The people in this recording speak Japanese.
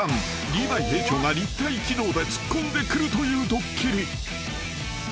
リヴァイ兵長が立体機動で突っ込んでくるというドッキリ］